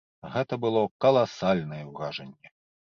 Гэта было каласальнае ўражанне.